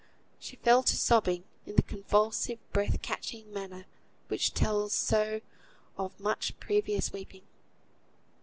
She fell to sobbing, in the convulsive breath catching manner which tells so of much previous weeping.